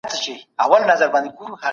اسلام فردي ملکیت ته ارزښت ورکوي.